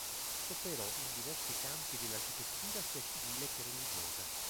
Operò in diversi campi dell'architettura sia civile che religiosa.